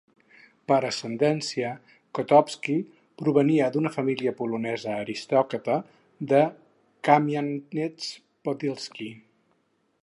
Per ascendència, Kotovski provenia d'una família polonesa aristocràtica de Kàmianets-Podilski.